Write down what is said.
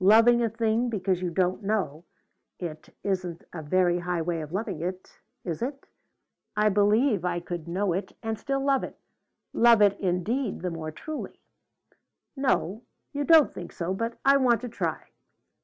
Loving a thing because you don't know it isn't a very high way of loving it, is it? I believe I could know it and still love it love it, indeed, the more truly. No, you don't think so; but I want to try."